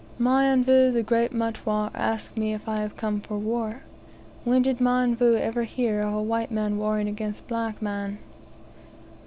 "Mionvu, the great Mutware, asks me if I have come for war. When did Mionvu ever hear of white men warring against black men?